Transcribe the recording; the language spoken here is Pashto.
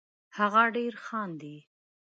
هغه ډېر خاندي